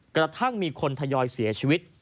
กระทั่งมีคนทยอยเสียชีวิต